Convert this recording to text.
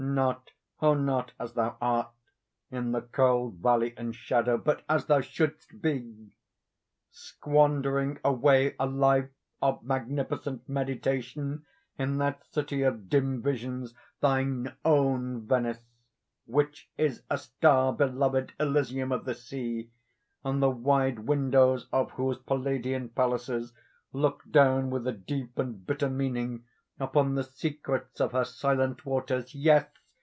—not—oh! not as thou art—in the cold valley and shadow—but as thou shouldst be—squandering away a life of magnificent meditation in that city of dim visions, thine own Venice—which is a star beloved Elysium of the sea, and the wide windows of whose Palladian palaces look down with a deep and bitter meaning upon the secrets of her silent waters. Yes!